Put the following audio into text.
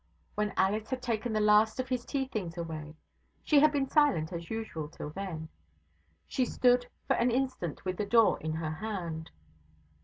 When Alice had taken the last of his tea things away she had been silent as usual till then she stood for an instant with the door in her hand.